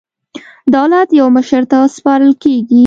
دولت یو مشر ته سپارل کېږي.